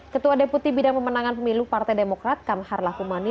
ketua deputi bidang pemenangan pemilu partai demokrat kamhar lakumani